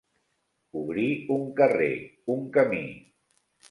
Obrir un carrer, un camí.